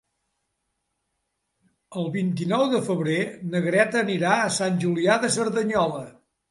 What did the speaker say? El vint-i-nou de febrer na Greta anirà a Sant Julià de Cerdanyola.